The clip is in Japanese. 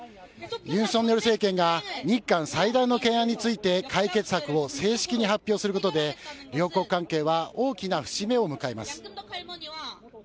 ユン・ソンニョル政権が日韓最大の懸案について解決策を正式に発表することで、両国関係は大きな節目を迎えます。